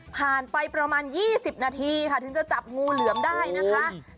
ผ่านไปประมาณ๒๐นาทีค่ะถึงจะจับงูเหลือมได้นะคะ